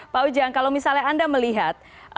pak ujang kalau misalnya anda melihat